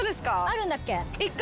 あるんだっけ？